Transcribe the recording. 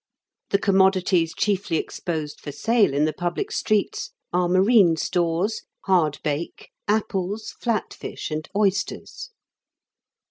The commodities chiefly exposed for sale in the THE STREETS OF CHATHAM. 61 public streets are marine stores* hardbake, apples, flat fish, and oysters."